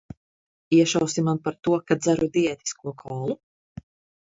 Iešausi man par to, ka dzeru diētisko kolu?